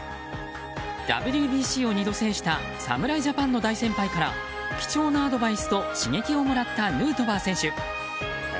ＷＢＣを２度制した侍ジャパンの大先輩から貴重なアドバイスと刺激をもらったヌートバー選手。